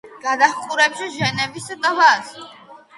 გადაჰყურებს ჟენევის ტბას.